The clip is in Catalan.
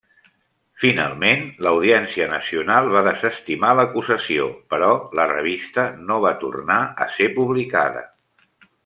Finalment, l'Audiència Nacional va desestimar l'acusació, però la revista no va tornar a ser publicada.